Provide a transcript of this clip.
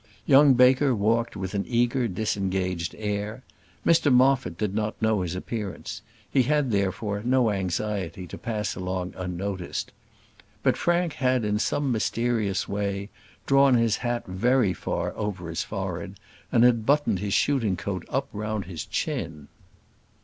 Young Baker walked with an eager disengaged air. Mr Moffat did not know his appearance; he had, therefore, no anxiety to pass along unnoticed. But Frank had in some mysterious way drawn his hat very far over his forehead, and had buttoned his shooting coat up round his chin.